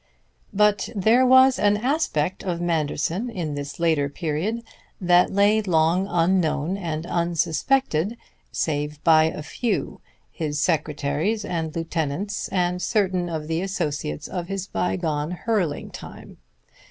But there was an aspect of Manderson in this later period that lay long unknown and unsuspected save by a few, his secretaries and lieutenants and certain of the associates of his bygone hurling time.